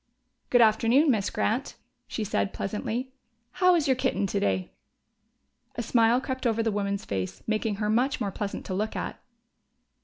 "Good afternoon, Miss Grant," she said pleasantly. "How is your kitten today?" A smile crept over the woman's face, making her much more pleasant to look at.